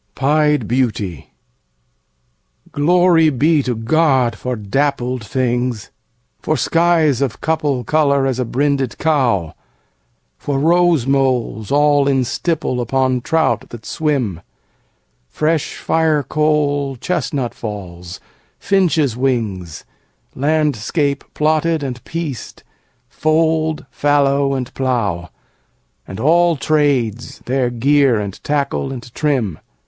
13 Pied Beauty GLORY be to God for dappled things For skies of couple colour as a brinded cow; For rose moles all in stipple upon trout that swim: Fresh firecoal chestnut falls; finches' wings; Landscape plotted and pieced fold, fallow, and plough; And àll tràdes, their gear and tackle and trim.